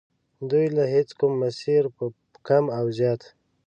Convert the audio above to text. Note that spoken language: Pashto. دوی له هیچ کوم مسیره په کم و زیات.